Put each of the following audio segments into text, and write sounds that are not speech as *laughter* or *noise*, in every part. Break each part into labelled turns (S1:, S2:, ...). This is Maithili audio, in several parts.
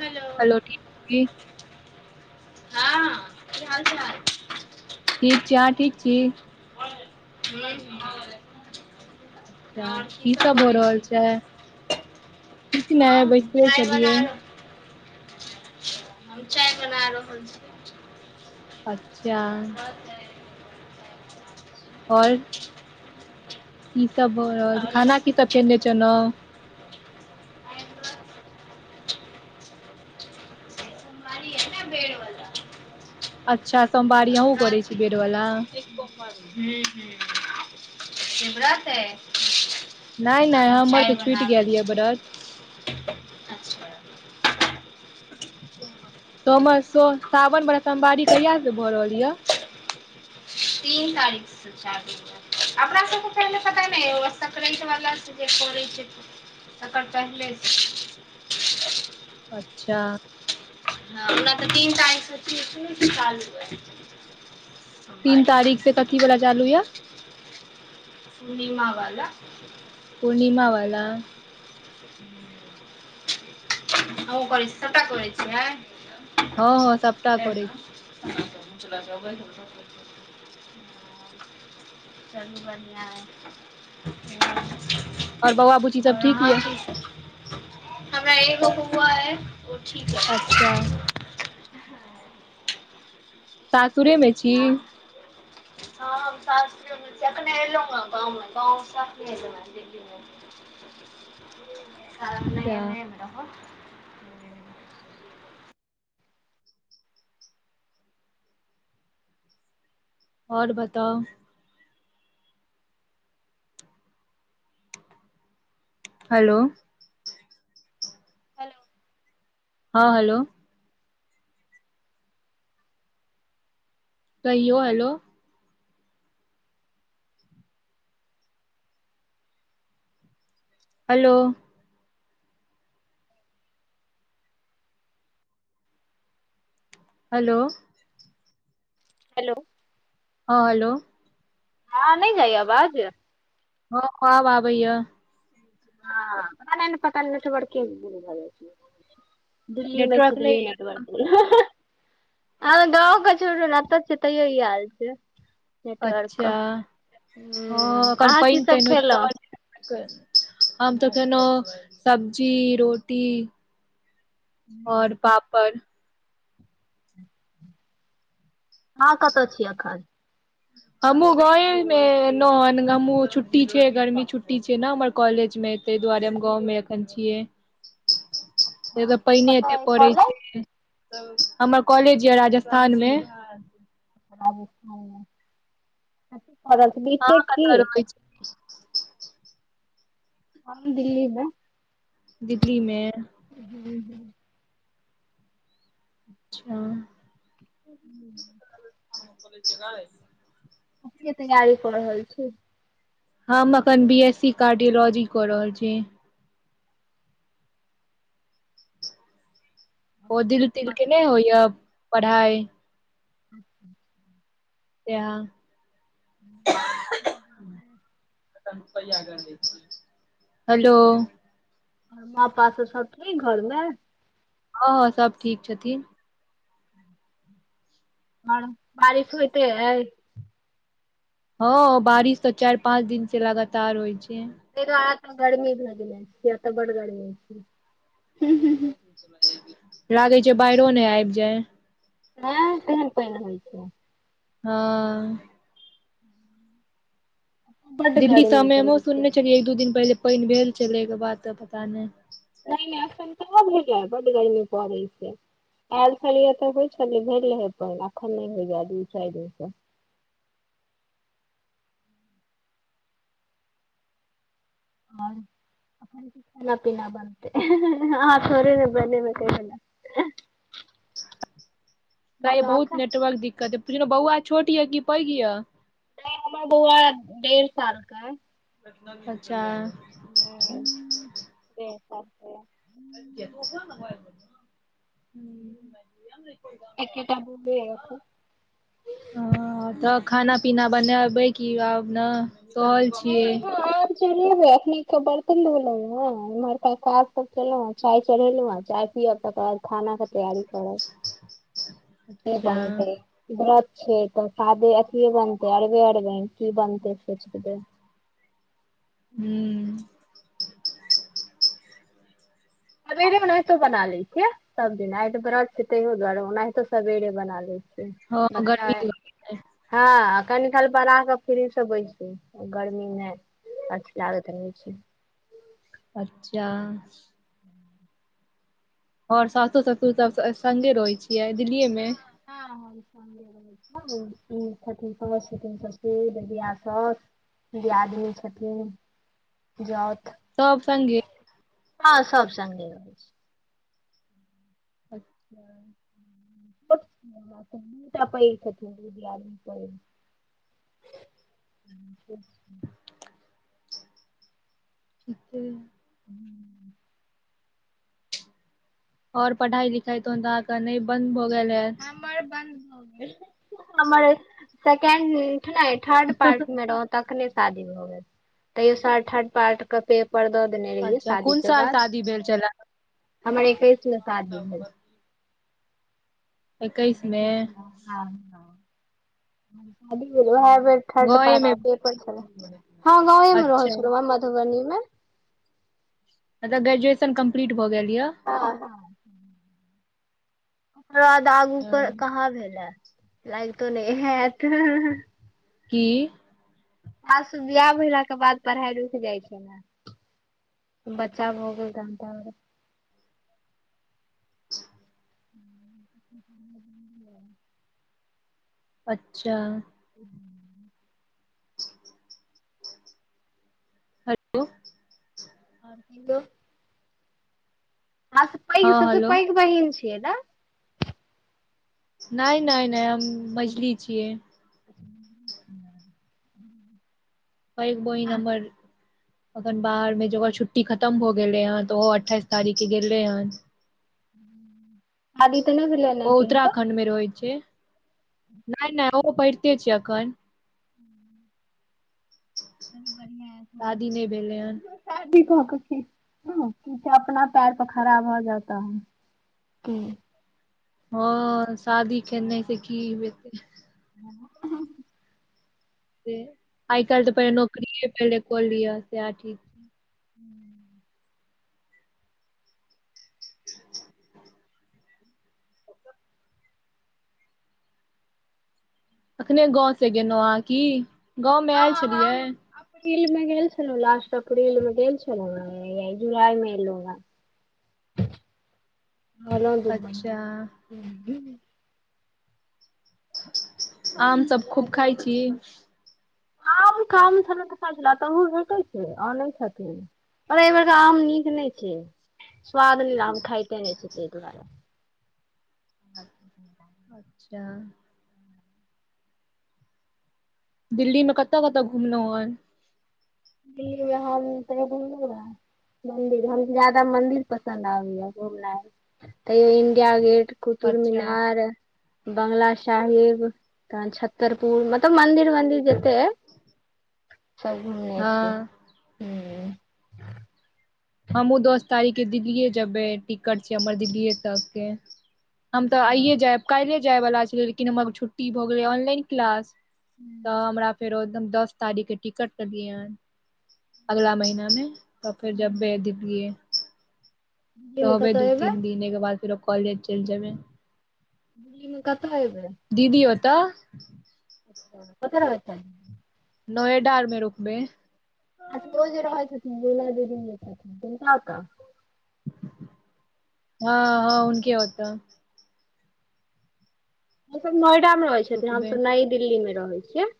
S1: हेलो
S2: हलो ठीक छि?
S1: हां की हाल चाल?
S2: ठीक छि आहां ठीक छी?
S1: *inaudible*
S2: अच्छा
S1: और
S2: की सब भ
S1: करै
S2: रहल
S1: छी
S2: छैय?
S1: हम
S2: बैसले
S1: चाय
S2: छलियै
S1: बना रहल हम चाय बना रहल छी।
S2: अच्छा आओर कि सब भ रहल छैय खाना की सब खने छलहु?
S1: आइ व्रत *inaudible*
S2: अच्छा सोमवारी
S1: तऽ
S2: अहुँ करै
S1: व्रत
S2: छी बेर वाला?
S1: हूं शिवरााते।
S2: नहि नहि हमर तऽ छुटि
S1: बनाबै
S2: गेल यऽ
S1: छी
S2: व्रत।
S1: अच्छा
S2: सावन वला सोमवारी कहिया से भऽ रहल यऽ?
S1: तीन तारीखसे। अपना सबके पहि पता नहि संक्राईत वला जे करै छी तकर पहिले छैय।
S2: अच्छा
S1: ह ओना तऽ तीन तारीख *unintelligible*
S2: तीन
S1: सोमवार
S2: तारीख से कथी वाला चालू यऽ
S1: पूर्णिमा वाला।
S2: पूर्णिमा वाला।
S1: *unintelligible* सबटा करै छियै?
S2: हँ हँ सबटा करै
S1: *unintelligible* चलू बढ़िआ अय।
S2: हँ आओर बौआ बुची सब ठीक
S1: अहाँ
S2: यऽ
S1: की सब हमरा एगो बौआ अय ओ ठीक अय।
S2: चार सासुरे में छी?
S1: आ हँ हम सासुरे में छी अखन एलहु ह *unintelligible* *unintelligible*
S2: अच्छा
S1: में रहब
S2: आओर बताउ? हेलो
S1: हैलो
S2: हँ हैलो कहियौ हैलो। हैलो हैलो
S1: हैलो
S2: हँ हैलो
S1: हँ नहि जाइये आवाज
S2: हँ आब आबै य
S1: हँ पता नहि नेटवर्क गुल भ जाइ छै दिल्ली मे
S2: नेटवर्क
S1: छियय
S2: नहि
S1: तैयो
S2: य
S1: नेटवर्क नै ह गाँ के छोङु ना एत छीयय तैयो ई हाल छै नेटवर्क
S2: अच्छा
S1: के
S2: हँ
S1: हूँ
S2: एखन
S1: अहाँ की
S2: पानि
S1: सब
S2: तानि होइ
S1: खेलौं
S2: छै त हम तऽ खेनौ सब्जी रोटी आउर पापड़
S1: हँ कतऽ छी अखन
S2: हमहूँ गावे मे एलहुँ हमहूँ छुट्टी छै गर्मी छुट्टी छै ने हमर कॉलेज मे ताहि दुआरे हम गाँव मे एखन छियै से त पइने
S1: कतऽ
S2: एते
S1: अइ
S2: पड़ै
S1: कॉलेज
S2: छै हमर कॉलेज य राजस्थान मे हँ
S1: बी
S2: अहाँ
S1: करत की
S2: कतऽ रहै छी
S1: हम दिल्ली में
S2: दिल्ली में
S1: हू हं
S2: अच्छा
S1: कथी के तैयारी कऽ रहल छी
S2: हम अखन बी एस सी कार्डियोलॉजी कऽ रहल छी ओ दिल तिल के नहि होइ य पढ़ाई ता हैलो
S1: मा पास सब ठिक घर में
S2: हँ हँ सब ठीक छथिन
S1: *inaudible* ह बारिश होइते है
S2: हँ बारिश तऽ चारि पाँच दिन से लगातार होइ छै
S1: फिर रात में गर्मी भै गेलै कियै ऐतै बड्ड गर्मी छै
S2: लागे छै बाहरो नहि आबि जाए
S1: ह तेहन पानि होइ छै
S2: हँ
S1: बड
S2: दिल्ली सय
S1: गर्मी
S2: हमहु
S1: केने छै
S2: सुनने छलियै एक दू दिन पहिले पानि भेल छलै के बात तऽ पता नहि
S1: नहि नहि ऐखन त हो जाय बड्ड गरमी पड़ै हे आयल छलियै तऽ होइ छलै भेल रहै पनि एखन नहि होइये दू चारि दिन सँ आउर अपन खाना पीना बनतै अहाँ थोड़े ने बनेबै तै
S2: बुझाइ य
S1: कहलौं
S2: बहुत
S1: अखन
S2: नेटवर्क दिक्कत अय पुछलौ बौआ छोट य की पैघ य
S1: नै हमर बौआ डेढ़ साल के अइ
S2: अच्छा
S1: *unintelligible*
S2: *unintelligible*
S1: एकेटा
S2: हं तऽ खाना पीना बनेबै की आब ने सहल
S1: नहि
S2: छियै
S1: नहि चढ़ेबे अखने के बर्तन धोले हं इम्हरका काज सब केलहुं चाय चढ़ेलहुं चाय कर खाना के तैयारी करत *unintelligible*
S2: अच्छा
S1: दरत छै तऽ सादे अथे बनतै अरबे अरबे की बनतै सोचिक दे
S2: हूँ
S1: सबेरे ओनाहितो बना ले छिय सबदिना आयत वरत छै तैय दुआरे ओनाहितो सबेरे बना ले छी
S2: हँ
S1: बच्चा
S2: गर्मी दुआरे
S1: हँ कनि काल बड़ा कऽ फ्री से बैस गर्मी में अथी लागत रहत छै
S2: अच्छा
S1: *inaudible*
S2: ओर सासो ससू सब सगे रहै छियै दिल्लीए मे
S1: हँ हँ छथिन सास छथिन ससूर ददिया सास दियादनि छथिन जाउत
S2: सब सङगे
S1: हँ सब सगे रहल
S2: अच्छा
S1: पैर छथिन दियादनि *unintelligible* *unintelligible*
S2: ठीके
S1: हूँ
S2: और पढ़ाई लिखाई तोन्त अहके नहि बंद भऽ गेल हे
S1: हमर सेकेंड ने थर्ड पार्ट में रह तखने शादी भऽ गेल थड पार्ट के पे पर दऽ देने रहियै
S2: अच्छा
S1: शादी
S2: कोन
S1: के
S2: साल
S1: बाद
S2: शादी भेल छलए
S1: हमर एकैस में शादी भेल
S2: एकैस मे
S1: *unintelligible*
S2: अच्छा
S1: उएह बेर थर्ड
S2: गाँवे
S1: पार्ट
S2: मे
S1: के पेपर छलै हँ गाँवे मे रहै
S2: अच्छा
S1: छलहुँं हं मधुबनी में
S2: मतलऽ ग्रेजुएशन कम्प्लीट भऽ गेल यऽ
S1: न ओकर बाद आगू पर
S2: हँ
S1: कहाँ भेल या लागतो नै हैत
S2: की
S1: खास बियाह भेलाके बाद पढ़ाइ रुकि जाइ छै ने बच्चा भऽ गेल तहन त औरो *inaudible*
S2: अच्छा
S1: हूँ
S2: हेलो
S1: हँ किदो अहाँ पैघ
S2: हँ
S1: सबसे
S2: हेलो
S1: पैघ बहिन छियै ने
S2: नहि नहि नहि हम मझली छियै
S1: *inaudible*
S2: पैघ बहिन हमर अखन बाहरमे छै ओकर छुट्टी खतम भऽ गेलै हन तऽ ओहो अठाइस तारीखके गेलै हन
S1: अभी तॅं नै भेलैए ना किनको?
S2: *unintelligible* मे रहै छै, नहि नहि ओहो पढ़िते छै अखन।
S1: चलु बढ़ियाँ एहि अखन
S2: शादी नहि भेलै हन
S1: *unintelligible* ठीक छै अपना पैर पर खड़ा भऽ जाउ तहन ह्म *unintelligible*
S2: हँ, शादी केने से की हेतै?
S1: ह ह *unintelligible*
S2: से आइ काल्हि तऽ पहिले नौकरीये पहिले कऽ लिय सेहै ठीक। छै।
S1: *inaudible*
S2: अखने गाँवसँ गेलहुँ अहाँ की, गाँवमे आयल छलियै?
S1: अप्रीलमे गेल छलहुँ, लास्ट अप्रीलमे गेल छलहुँए आ ई जुलाईमे अएलहुँए रहलहुँ दू
S2: अच्छा
S1: महिना
S2: आम सब खूब
S1: मे रह
S2: खाइ छी?
S1: के बड़ आम काम छला *unintelligible* एत्तओ भेटै छै आनै छथिन अरे एहि बेरका आम नीक नहि छै, स्वाद लेल आम खाइते नहि छी ताहि दुआरे अच्छा
S2: अच्छा दिल्लीमे कतऽ- कतऽ घुमलहुॅं अछि?
S1: दिल्लीमे हम तैयो घुमलुं या मंदिर, हम जादा मंदिर पसन्द आबैया घुमनाइ, तैयो इंडिया गेट कुतुब
S2: अच्छा
S1: मीनार बंगला साहिब, तहन छत्तरपुर मतलब मंदिर वन्दिर जे से सब घुमलुं *unintelligible*
S2: हँ
S1: हूॅं
S2: हमहूँ दस तारीखके दिल्लीये जेबै टिकट छै हमर दिल्लीये तकके हम तऽ आइए जायब, काल्हिये जायवाला छलियै लेकिन हमर आर छुट्टी भऽ गेलै ऑनलाइन क्लास तॅं हमरा फेरो दस तारीखके टिकट केलियै हन अगला महीनामे तऽ फेर जेबै वैह दिल्लीये,
S1: दिल्ली मे
S2: रहबै
S1: कतऽ
S2: दू
S1: एबै
S2: तीन-दिन ऐके बाद फेरो कॉलेज चलि जेबै।
S1: दिल्लीमे कतऽ अयबै?
S2: दीदी ओतय।
S1: कतय रहैत छै?
S2: नोएडा आरमे रूकबै।
S1: आ ओ जे रहै छथिन *unintelligible* त मला दे साक
S2: हँ हँ उनके ओतय।
S1: ऊ सभ नोएडामे रहै छथिन,
S2: रुकबै
S1: हमसभ नई दिल्लीमे रहै छियै।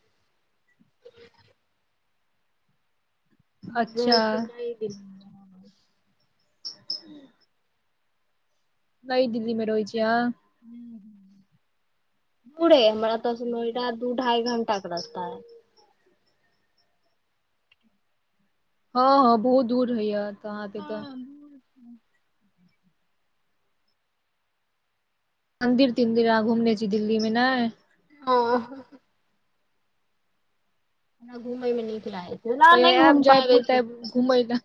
S1: हॅं,
S2: अच्छा
S1: रहैत छै नई दिल्ली मे
S2: नई दिल्लीमे रहै छियै अहाॅं?
S1: दूरे हमरा एतयसॅं नोएडा दू-ढाइ घंटाके रास्ता छै।
S2: हँ, हँ बहुत दूर रहैये अहाॅंके तऽ
S1: *inaudible*
S2: मन्दिर-तिन्दिर अहाॅं घुमने छी दिल्लीमे नइॅं?
S1: ओ हो हो घूमैमें नीक लागय।
S2: कहियो आयब जयपुर तऽ आयब घुमय ल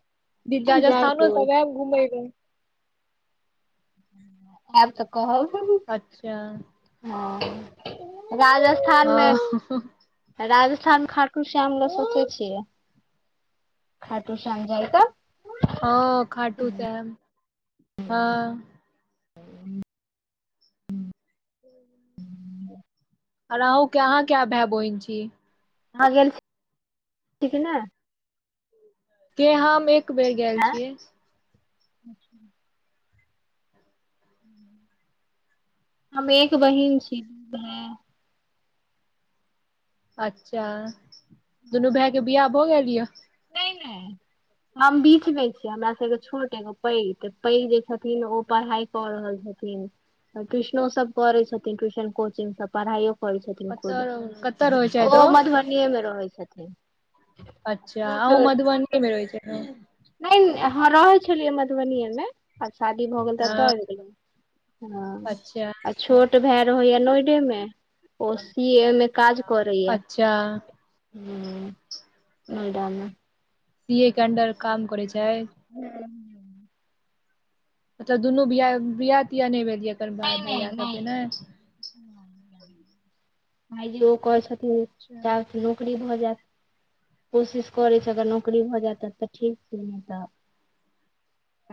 S2: दि
S1: जायके
S2: राजस्थानो
S1: अइ।
S2: सब आएब घुमय ल।
S1: हूँ आयब तऽ कहब।
S2: अच्छा
S1: हँ राजस्थानमे
S2: हँ
S1: राजस्थान खाटुर श्याम ल सोचै छियै। खाटु श्याम जाय क।
S2: हँ खाटू श्याम हँ। आर अहू के अहाँ कय भाय बहिन छी?
S1: हँ गेल *unintelligible* की नै?
S2: के हम एक बेर गेल
S1: ऐं
S2: छियै।
S1: *inaudible* हम एक बहिन छी।
S2: अच्छा दुनू भाईके बिहाह भऽ गेलया?
S1: नहि नहि हम बीच मे छीयै हमरा स एगो छोट एगो पैघ, पैघ जे छथिन ओ पढ़ाई कऽ रहल छथिन। ट्यूशनो सब करै छथिन ट्यूशन कोचिंग सब पढ़ाइयो करै छथिन खुद
S2: कतऽ कतऽ रहै छथि
S1: ओ मधुबनीएमे रहै छथिन।
S2: अच्छा
S1: छोट
S2: अहू
S1: छोट
S2: मधुबनीयेमे रहै छियै अखन?
S1: नहि हाँ रहै छलियै मधुबनिएमे आब शादी भऽ गेल तऽ एतय
S2: हँ
S1: आयब गेलहुँ। हँ
S2: अच्छा
S1: आ छोट भाय रहैया नोइडे मे। ओ सी ए मे काज करैया
S2: अच्छा
S1: हू। नोएडा में।
S2: सी ए के अंडर काम करै छैय?
S1: हू
S2: अच्छा दुनू बिया बिआ तिया नहि भेलया?
S1: नहि नहि नहि ओ कहै छथी हूं
S2: अच्छा
S1: *unintelligible* नौकरी भऽ जायत कोशिश करै छैय अगर नौकरी भऽ जायतऽ ठीक छैय नहि तऽ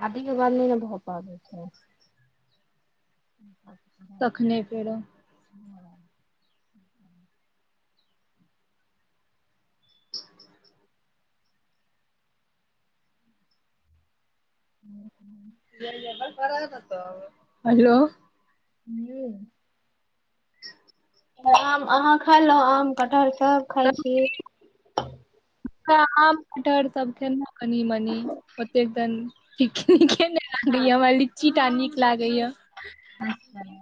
S1: शादी के बादमे नैय न भऽ पाबै छैय।
S2: तखने फेरो। हेलो
S1: हू आम अहाँ खायलहु आम कटहर सब खाय छी?
S2: आम कटहर सब खेलहूहे कनि मनी। ओतेक त नीके नहि लागैया हमरा लीची टा नीक लागैया।
S1: *inaudible*